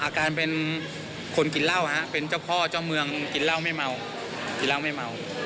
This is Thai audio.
อ่าอาการเป็นคนกินเหล้าฮะเป็นเจ้าพ่อเจ้าเมืองกินเหล้าไม่เมา